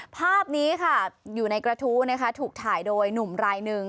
ภาพนี้ค่ะอยู่ในกระทู้นะคะถูกถ่ายโดยหนุ่มรายหนึ่ง